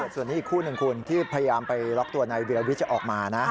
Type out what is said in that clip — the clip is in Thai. ส่วนอีกคู่หนึ่งคุณที่พยายามไปล็อกตัวในเวียววิชออกมานะ